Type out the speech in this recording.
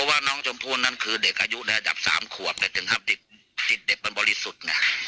อายุระดับ๓ขวบติดเด็กมันบริสุทธิ์